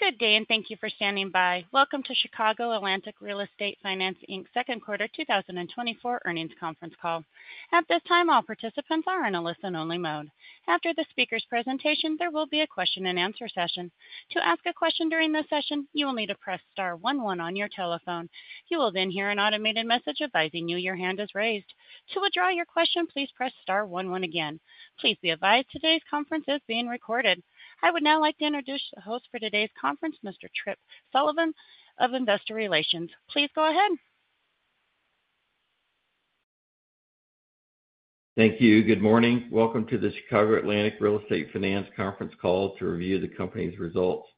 Good day, and thank you for standing by. Welcome to Chicago Atlantic Real Estate Finance, Inc.'s second quarter 2024 earnings conference call. At this time, all participants are in a listen-only mode. After the speaker's presentation, there will be a Q&A session. To ask a question during this session, you will need to press star one one on your telephone. You will then hear an automated message advising you your hand is raised. To withdraw your question, please press star one one again. Please be advised today's conference is being recorded. I would now like to introduce the host for today's conference, Mr. Tripp Sullivan of Investor Relations. Please go ahead. Thank you. Good morning. Welcome to the Chicago Atlantic Real Estate Finance conference call to review the company's results.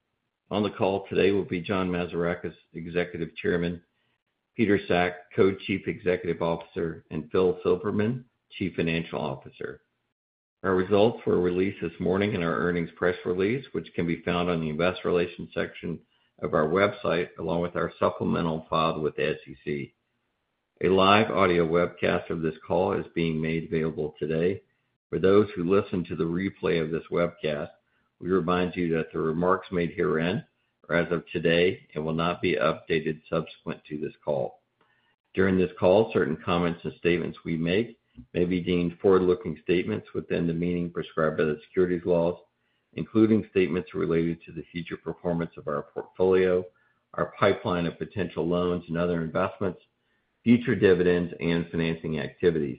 On the call today will be John Mazarakis, Executive Chairman, Peter Sack, Co-Chief Executive Officer, and Phil Silverman, Chief Financial Officer. Our results were released this morning in our earnings press release, which can be found on the investor relations section of our website, along with our supplemental filed with the SEC. A live audio webcast of this call is being made available today. For those who listen to the replay of this webcast, we remind you that the remarks made herein are as of today and will not be updated subsequent to this call. During this call, certain comments and statements we make may be deemed forward-looking statements within the meaning prescribed by the securities laws, including statements related to the future performance of our portfolio, our pipeline of potential loans and other investments, future dividends, and financing activities.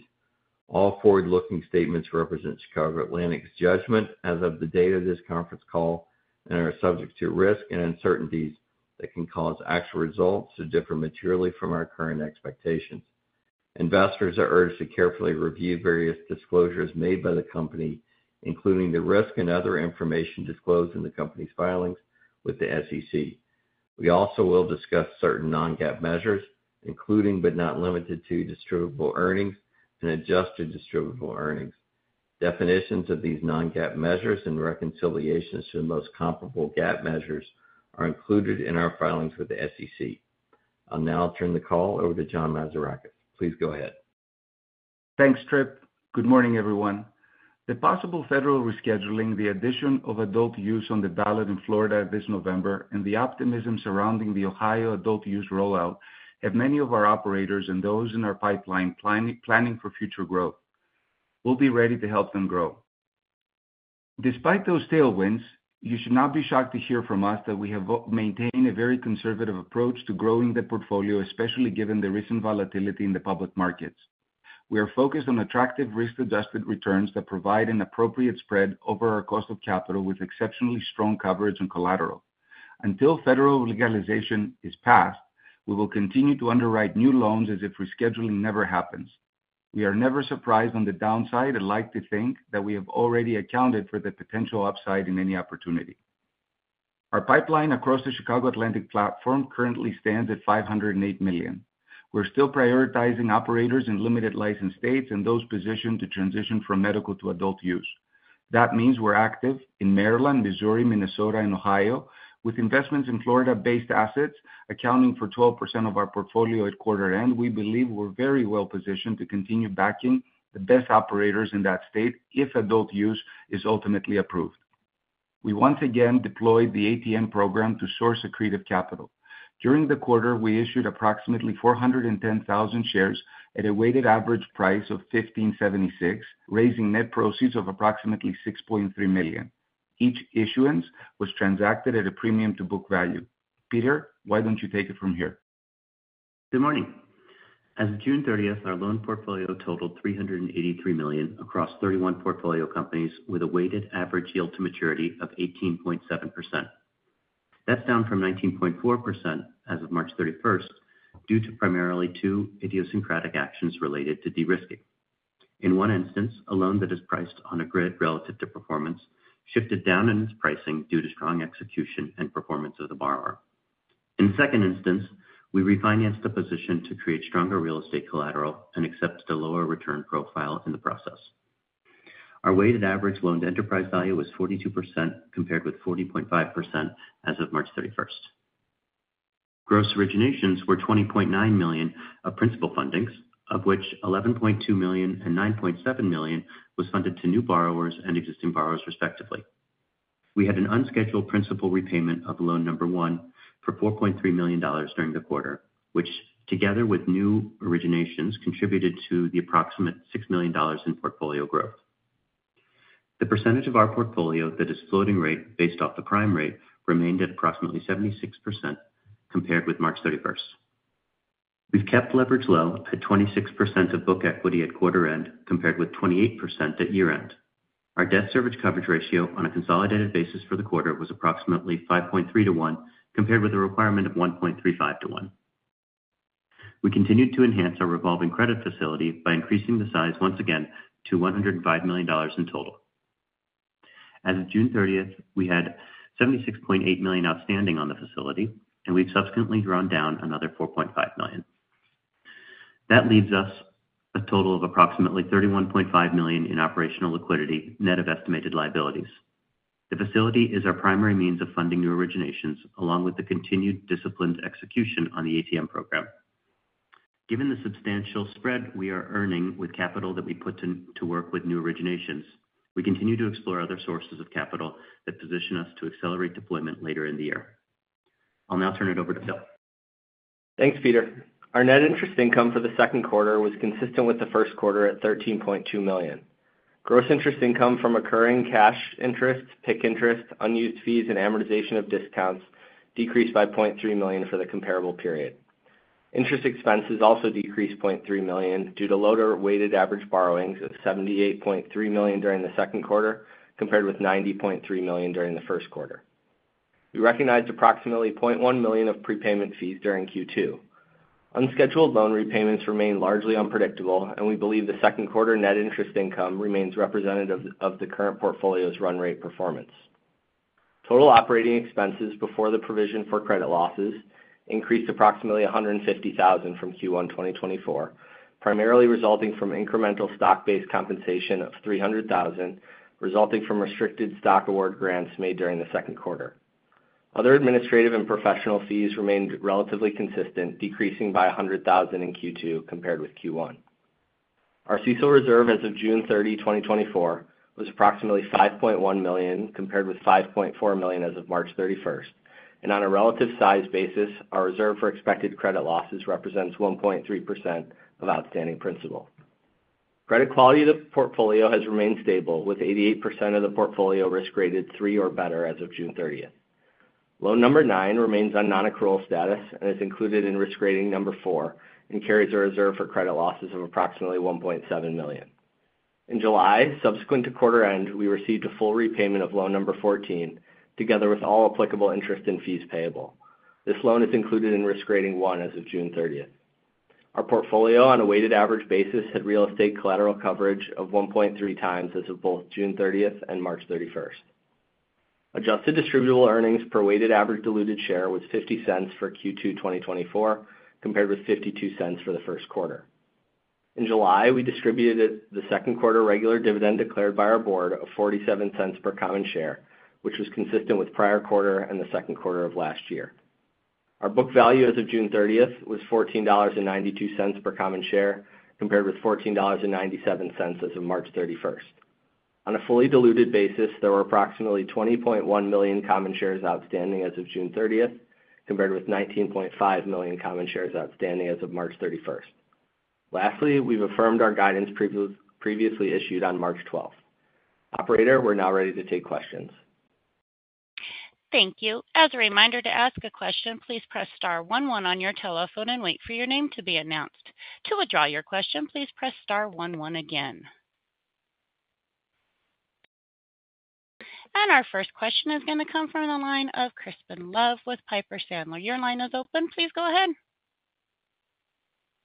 All forward-looking statements represent Chicago Atlantic's judgment as of the date of this conference call and are subject to risk and uncertainties that can cause actual results to differ materially from our current expectations. Investors are urged to carefully review various disclosures made by the company, including the risk and other information disclosed in the company's filings with the SEC. We also will discuss certain non-GAAP measures, including, but not limited to, distributable earnings and adjusted distributable earnings. Definitions of these non-GAAP measures and reconciliations to the most comparable GAAP measures are included in our filings with the SEC. I'll now turn the call over to John Mazarakis. Please go ahead. Thanks, Tripp. Good morning, everyone. The possible federal rescheduling, the addition of adult use on the ballot in Florida this November, and the optimism surrounding the Ohio adult use rollout have many of our operators and those in our pipeline planning for future growth. We'll be ready to help them grow. Despite those tailwinds, you should not be shocked to hear from us that we have maintained a very conservative approach to growing the portfolio, especially given the recent volatility in the public markets. We are focused on attractive risk-adjusted returns that provide an appropriate spread over our cost of capital, with exceptionally strong coverage and collateral. Until federal legalization is passed, we will continue to underwrite new loans as if rescheduling never happens. We are never surprised on the downside and like to think that we have already accounted for the potential upside in any opportunity. Our pipeline across the Chicago Atlantic platform currently stands at $508 million. We're still prioritizing operators in limited license states and those positioned to transition from medical to adult use. That means we're active in Maryland, Missouri, Minnesota, and Ohio, with investments in Florida-based assets accounting for 12% of our portfolio at quarter end. We believe we're very well positioned to continue backing the best operators in that state if adult use is ultimately approved. We once again deployed the ATM program to source accretive capital. During the quarter, we issued approximately 410,000 shares at a weighted average price of $15.76, raising net proceeds of approximately $6.3 million. Each issuance was transacted at a premium to book value. Peter, why don't you take it from here? Good morning. As of June 30, our loan portfolio totaled $383 million across 31 portfolio companies with a weighted average yield to maturity of 18.7%. That's down from 19.4% as of March 31, due to primarily two idiosyncratic actions related to de-risking. In one instance, a loan that is priced on a grid relative to performance shifted down in its pricing due to strong execution and performance of the borrower. In the second instance, we refinanced the position to create stronger real estate collateral and accept a lower return profile in the process. Our weighted average loan to enterprise value was 42%, compared with 40.5% as of March 31. Gross originations were $20.9 million of principal fundings, of which $11.2 million and $9.7 million was funded to new borrowers and existing borrowers, respectively. We had an unscheduled principal repayment of Loan Number 1 for $4.3 million during the quarter, which, together with new originations, contributed to the approximate $6 million in portfolio growth. The percentage of our portfolio that is floating rate based off the prime rate remained at approximately 76% compared with March 31. We've kept leverage low at 26% of book equity at quarter end, compared with 28% at year-end. Our debt service coverage ratio on a consolidated basis for the quarter was approximately 5.3 to 1, compared with a requirement of 1.35 to 1. We continued to enhance our revolving credit facility by increasing the size once again to $105 million in total. As of June 30, we had $76.8 million outstanding on the facility, and we've subsequently drawn down another $4.5 million. That leaves us a total of approximately $31.5 million in operational liquidity, net of estimated liabilities. The facility is our primary means of funding new originations, along with the continued disciplined execution on the ATM program. Given the substantial spread we are earning with capital that we put in to work with new originations, we continue to explore other sources of capital that position us to accelerate deployment later in the year. I'll now turn it over to Phil. Thanks, Peter. Our net interest income for the second quarter was consistent with the first quarter at $13.2 million. Gross interest income from accruing cash interest, PIK interest, unused fees, and amortization of discounts decreased by $0.3 million for the comparable period. Interest expenses also decreased $0.3 million due to lower weighted average borrowings of $78.3 million during the second quarter, compared with $90.3 million during the first quarter. We recognized approximately $0.1 million of prepayment fees during Q2. Unscheduled loan repayments remain largely unpredictable, and we believe the second quarter net interest income remains representative of the current portfolio's run rate performance. Total operating expenses before the provision for credit losses increased approximately $150,000 from Q1 2024, primarily resulting from incremental stock-based compensation of $300,000, resulting from restricted stock award grants made during the second quarter. Other administrative and professional fees remained relatively consistent, decreasing by $100,000 in Q2 compared with Q1. Our CECL reserve as of June 30, 2024, was approximately $5.1 million, compared with $5.4 million as of March 31, 2024. On a relative size basis, our reserve for expected credit losses represents 1.3% of outstanding principal. Credit quality of the portfolio has remained stable, with 88% of the portfolio risk graded three or better as of June 30. Loan Number 9 remains on non-accrual status and is included in risk rating number four and carries a reserve for credit losses of approximately $1.7 million. In July, subsequent to quarter end, we received a full repayment of Loan Number 14, together with all applicable interest and fees payable. This loan is included in risk rating one as of June 30. Our portfolio, on a weighted average basis, had real estate collateral coverage of 1.3x as of both June 30 and March 31. Adjusted distributable earnings per weighted average diluted share was $0.50 for Q2 2024, compared with $0.52 for the first quarter. In July, we distributed the second quarter regular dividend declared by our board of $0.47 per common share, which was consistent with prior quarter and the second quarter of last year. Our book value as of June 30 was $14.92 per common share, compared with $14.97 as of March 31. On a fully diluted basis, there were approximately 20.1 million common shares outstanding as of June 30, compared with 19.5 million common shares outstanding as of March 31. Lastly, we've affirmed our guidance previously issued on March 12. Operator, we're now ready to take questions. Thank you. As a reminder, to ask a question, please press star one, one on your telephone and wait for your name to be announced. To withdraw your question, please press star one, one again. Our first question is gonna come from the line of Crispin Love with Piper Sandler. Your line is open. Please go ahead.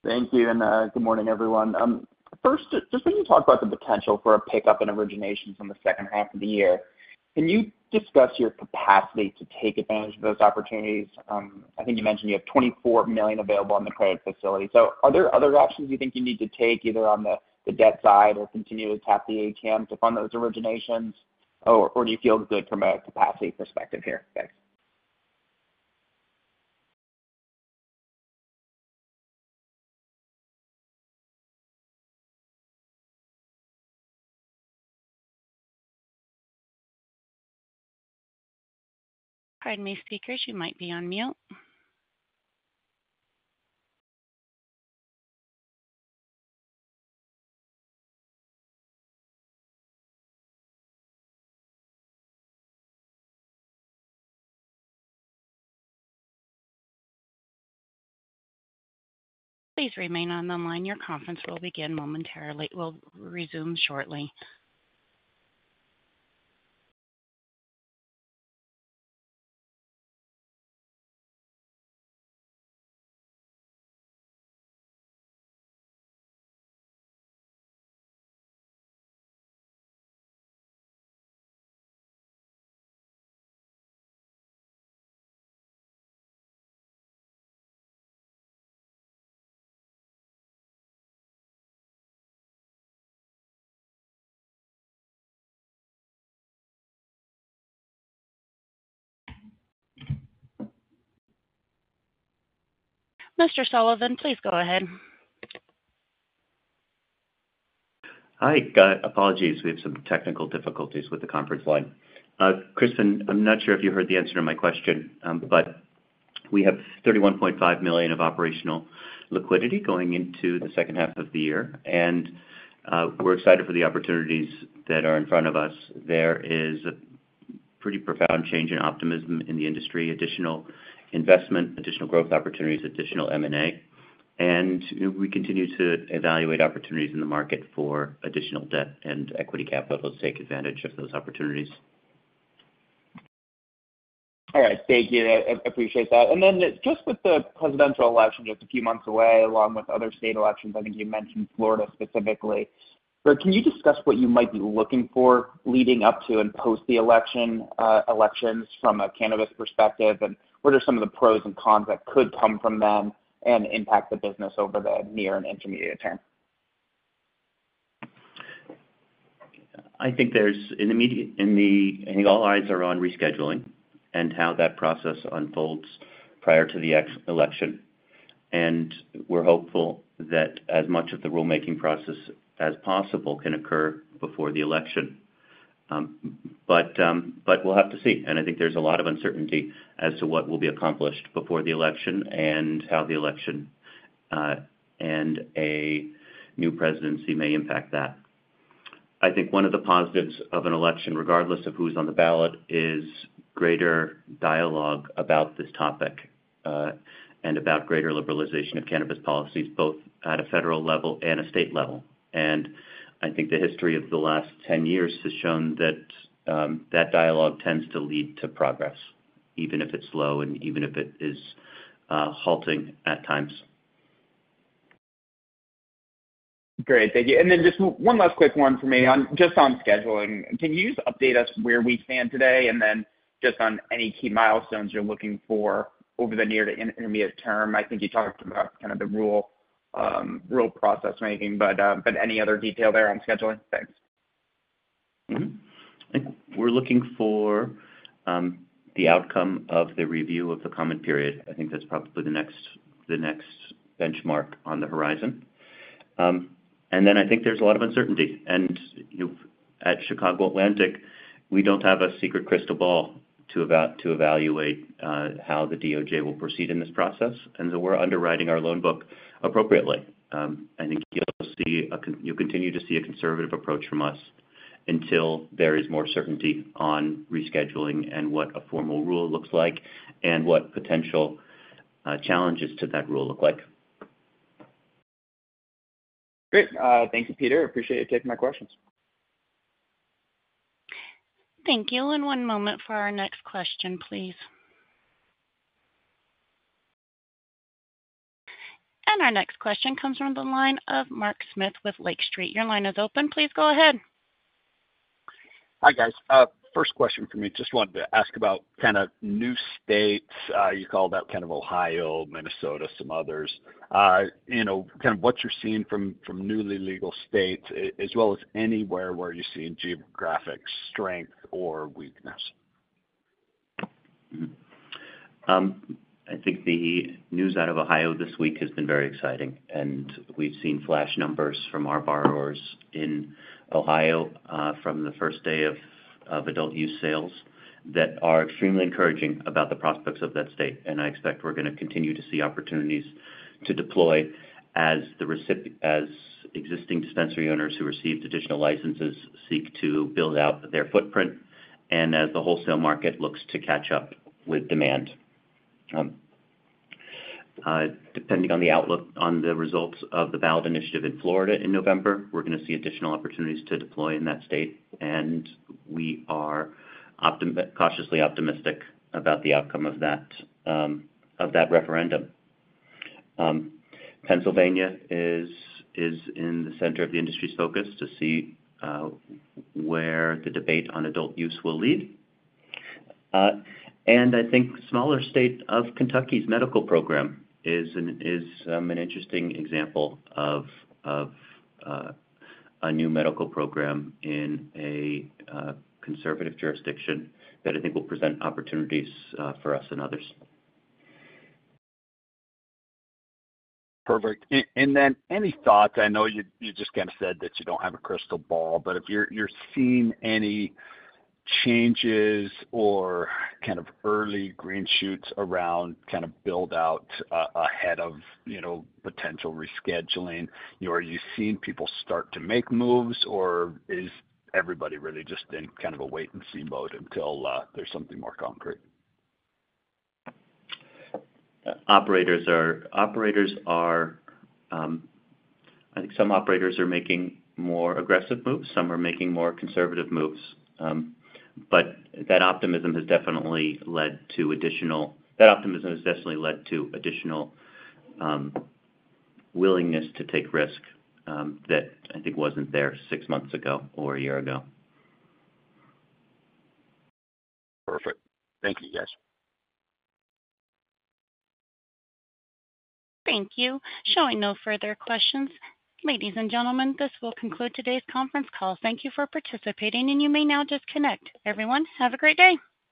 Thank you, and good morning, everyone. First, just when you talk about the potential for a pickup in originations in the second half of the year, can you discuss your capacity to take advantage of those opportunities? I think you mentioned you have $24 million available on the credit facility. So are there other actions you think you need to take, either on the debt side or continue to tap the ATM to fund those originations, or do you feel good from a capacity perspective here? Thanks. Pardon me, speakers, you might be on mute. Please remain on the line. Your conference will begin momentarily. We'll resume shortly. Mr. Sullivan, please go ahead. Hi, apologies. We have some technical difficulties with the conference line. Crispin, I'm not sure if you heard the answer to my question, but we have $31.5 million of operational liquidity going into the second half of the year, and we're excited for the opportunities that are in front of us. There is a pretty profound change in optimism in the industry, additional investment, additional growth opportunities, additional M&A, and we continue to evaluate opportunities in the market for additional debt and equity capital to take advantage of those opportunities. All right. Thank you. I appreciate that. And then just with the presidential election, just a few months away, along with other state elections, I think you mentioned Florida specifically. But can you discuss what you might be looking for leading up to and post the election, elections from a cannabis perspective? And what are some of the pros and cons that could come from them and impact the business over the near and intermediate term?... I think there's an immediate, I think all eyes are on rescheduling and how that process unfolds prior to the election. And we're hopeful that as much of the rulemaking process as possible can occur before the election. But we'll have to see, and I think there's a lot of uncertainty as to what will be accomplished before the election and how the election and a new presidency may impact that. I think one of the positives of an election, regardless of who's on the ballot, is greater dialogue about this topic, and about greater liberalization of cannabis policies, both at a federal level and a state level. I think the history of the last 10 years has shown that that dialogue tends to lead to progress, even if it's slow and even if it is halting at times. Great. Thank you. And then just one last quick one for me on, just on scheduling. Can you just update us where we stand today? And then just on any key milestones you're looking for over the near to intermediate term. I think you talked about kind of the rulemaking process, but any other detail there on scheduling? Thanks. I think we're looking for the outcome of the review of the comment period. I think that's probably the next benchmark on the horizon. And then I think there's a lot of uncertainty. And, you, at Chicago Atlantic, we don't have a secret crystal ball to evaluate how the DOJ will proceed in this process, and so we're underwriting our loan book appropriately. I think you'll continue to see a conservative approach from us until there is more certainty on rescheduling and what a formal rule looks like and what potential challenges to that rule look like. Great. Thank you, Peter. Appreciate you taking my questions. Thank you. One moment for our next question, please. And our next question comes from the line of Mark Smith with Lake Street. Your line is open. Please go ahead. Hi, guys. First question for me, just wanted to ask about kind of new states, you called out kind of Ohio, Minnesota, some others. You know, kind of what you're seeing from, from newly legal states, as well as anywhere where you're seeing geographic strength or weakness. Mm-hmm. I think the news out of Ohio this week has been very exciting, and we've seen flash numbers from our borrowers in Ohio, from the first day of adult use sales, that are extremely encouraging about the prospects of that state. And I expect we're going to continue to see opportunities to deploy as existing dispensary owners who received additional licenses seek to build out their footprint and as the wholesale market looks to catch up with demand. Depending on the outlook on the results of the ballot initiative in Florida in November, we're going to see additional opportunities to deploy in that state, and we are cautiously optimistic about the outcome of that referendum. Pennsylvania is in the center of the industry's focus to see where the debate on adult use will lead. And I think smaller state of Kentucky's medical program is an interesting example of a new medical program in a conservative jurisdiction that I think will present opportunities for us and others. Perfect. And then any thoughts, I know you, you just kind of said that you don't have a crystal ball, but if you're, you're seeing any changes or kind of early green shoots around kind of build out ahead of, you know, potential rescheduling, you know, are you seeing people start to make moves, or is everybody really just in kind of a wait and see mode until there's something more concrete? Operators are. I think some operators are making more aggressive moves, some are making more conservative moves. But that optimism has definitely led to additional willingness to take risk that I think wasn't there six months ago or a year ago. Perfect. Thank you, guys. Thank you. Showing no further questions, ladies and gentlemen, this will conclude today's conference call. Thank you for participating, and you may now disconnect. Everyone, have a great day!